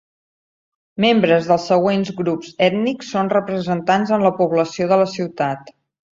Membres dels següents grups ètnics són representats en la població de la ciutat.